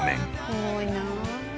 すごいな。